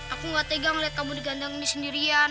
aku gak tegang liat kamu diganteng di sendirian